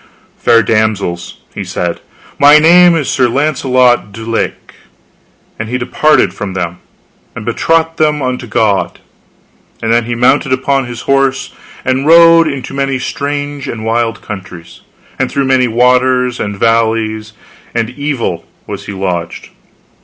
Fair damsels, he said, my name is Sir Launcelot du Lake. And so he departed from them and betaught them unto God. And then he mounted upon his horse, and rode into many strange and wild countries, and through many waters and valleys, and evil was he lodged.